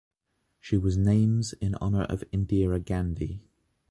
She was names in honor of Indira Gandhi.